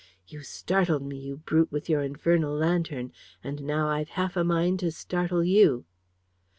"You startled me, you brute, with your infernal lantern, and now I've half a mind to startle you."